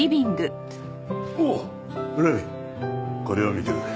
おっ麗美これを見てくれ。